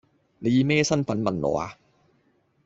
你以咩身份嚟問我呀？